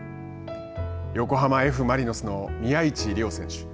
横浜Ｆ・マリノスの宮市亮選手。